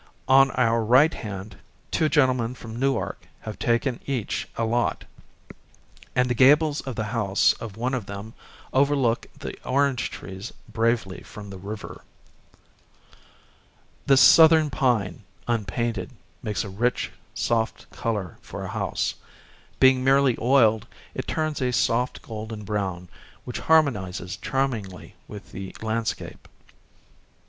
On our right hand, two gentlemen from Newark have taken each a lot ; and the gables of the house of one of them overlook the orange trees bravely from the river. This southern pine, unpainted, makes a rich, soft color for a house. Being merely oiled, it turns a soft golden brown, which harmonizes charmingly with the landscape.